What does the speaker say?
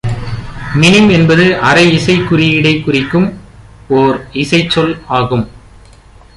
மினிம் என்பது, அரை இசைக்குறியீடைக் குறிக்கும் ஒர் இசைச் சொல் ஆகும்